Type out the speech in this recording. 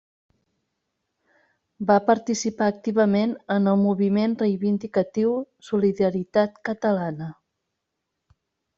Va participar activament en el moviment reivindicatiu Solidaritat Catalana.